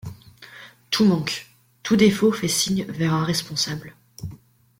Tout manque, tout défaut fait signe vers un responsable.